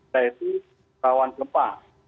saya itu kawan gempa